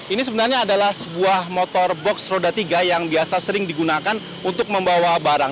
ini sebenarnya adalah sebuah motor box roda tiga yang biasa sering digunakan untuk membawa barang